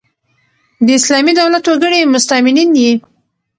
د اسلامي دولت وګړي مستامنین يي.